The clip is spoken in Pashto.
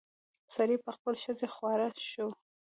سړي په خپلې ښځې خواړه شو.